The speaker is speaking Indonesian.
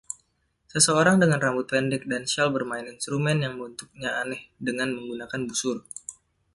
Seseorang dengan rambut pendek dan syal bermain instrumen yang bentuknya aneh dengan menggunakan busur